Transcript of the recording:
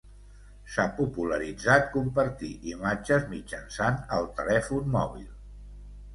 S'ha popularitzat compartir imatges mitjançant el telèfon mòbil.